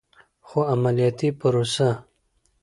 خو عملیاتي پروسه